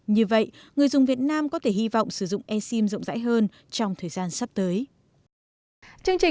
như vậy người dùng việt nam có thể hy vọng sử dụng e sim rộng rãi hơn trong thời gian sắp tới